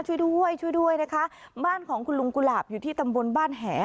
ช่วยด้วยช่วยด้วยนะคะบ้านของคุณลุงกุหลาบอยู่ที่ตำบลบ้านแห